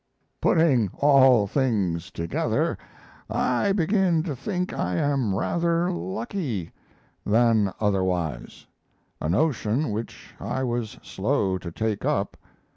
Putting all things together, I begin to think I am rather lucky than otherwise a notion which I was slow to take up.